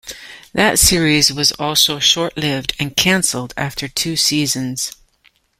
That series was also short-lived and cancelled after two seasons.